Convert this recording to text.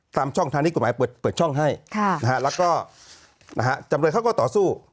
ช่องทางที่กฎหมายเปิดช่องให้แล้วก็จำเลยเขาก็ต่อสู้